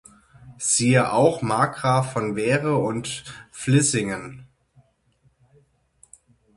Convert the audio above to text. Siehe auch: Markgraf von Veere und Vlissingen